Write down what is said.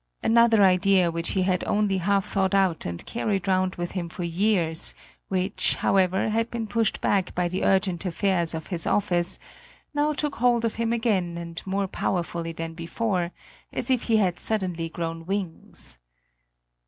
Another idea, which he had only half thought out and carried round with him for years, which, however, had been pushed back by the urgent affairs of his office, now took hold of him again and more powerfully than before, as if he had suddenly grown wings.